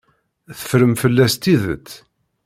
Teffrem fell-as tidet.